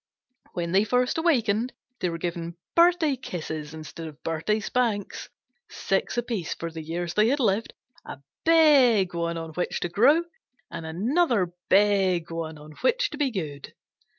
When they first awakened they were given birthday kisses instead of birthday spanks, six apiece for the years they had lived, a big one on which to grow, and another big one on which to be good.